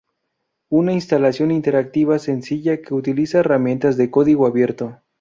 Una instalación interactiva sencilla que utiliza herramientas de código abierto.